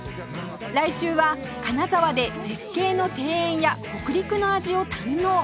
来週は金沢で絶景の庭園や北陸の味を堪能